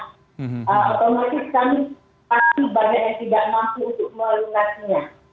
otomatis kami pasti banyak yang tidak mampu untuk melunasinya